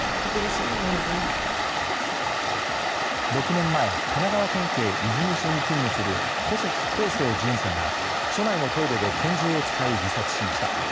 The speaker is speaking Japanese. ６年前神奈川県警泉署に勤務する古関耕成巡査が署内のトイレで拳銃を使い自殺しました。